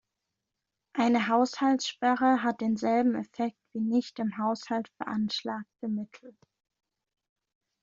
Eine Haushaltssperre hat denselben Effekt wie nicht im Haushalt veranschlagte Mittel.